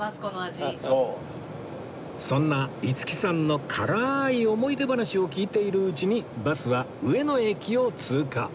そんな五木さんの辛い思い出話を聞いているうちにバスは上野駅を通過